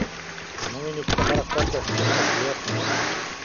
Аны мин икки харахпар көстүмэ, киэр буол